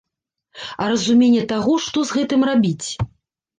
А разуменне таго, што з гэтым рабіць?